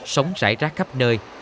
sống rải rác khắp nơi